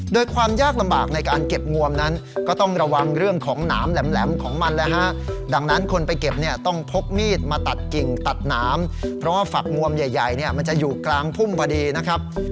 โดยความยากลำบากในการเก็บงวมนั้นก็ต้องระวังเรื่องของหนามแหลมของมันเลยฮะดังนั้นคนไปเก็บเนี่ยต้องพกมีดมาตัดกิ่งตัดหนามเพราะว่าฝักงวมใหญ่เนี่ยมันจะอยู่กลางพุ่มพอดีนะครับ